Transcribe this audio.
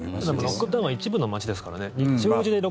ロックダウンは一部の街ですからね。